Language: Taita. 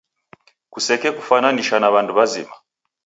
Kusekekufwananisha na w'andu w'azima.